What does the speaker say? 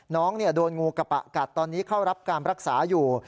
น้องโดนงูกระปะกัดตอนนี้เข้ารับการรักษาอยู่